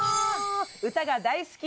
歌が大好き！